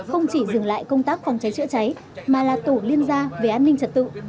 không chỉ dừng lại công tác phòng cháy chữa cháy mà là tổ liên gia về an ninh trật tự